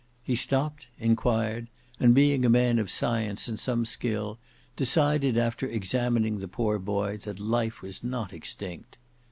He stopped, inquired, and being a man of science and some skill, decided, after examining the poor boy, that life was not extinct.